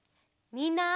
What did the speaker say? みんな！